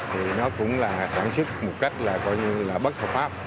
thì nó cũng là sản xuất một cách là coi như là bất hợp pháp